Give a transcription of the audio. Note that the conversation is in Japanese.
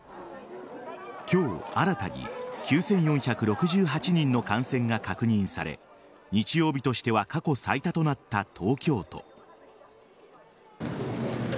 今日、新たに９４６８人の感染が確認され日曜日としては過去最多となった東京都。